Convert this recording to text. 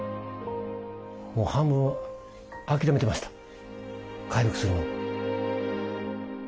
もう半分諦めてました回復するのを。